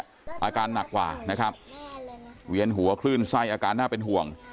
อาการหนักกว่านะครับเวียนหัวคลื่นไส้อาการน่าเป็นห่วง